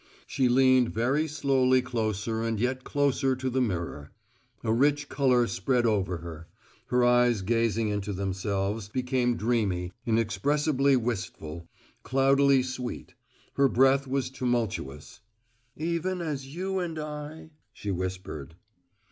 She leaned very slowly closer and yet closer to the mirror; a rich colour spread over her; her eyes, gazing into themselves, became dreamy, inexpressibly wistful, cloudily sweet; her breath was tumultuous. "`Even as you and I'?" she whispered.